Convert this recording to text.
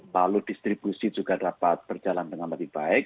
lalu distribusi juga dapat berjalan dengan lebih baik